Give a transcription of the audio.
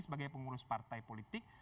sebagai pengurus partai politik